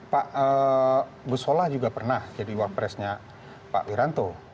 pak gusola juga pernah jadi warpresnya pak wiranto